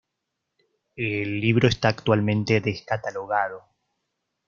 El libro está actualmente descatalogado.